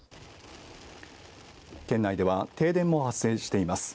県内では停電も発生しています。